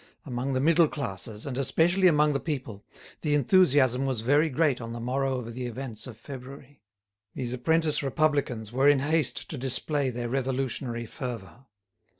Among the middle classes, and especially among the people, the enthusiasm was very great on the morrow of the events of February; these apprentice republicans were in haste to display their revolutionary fervour.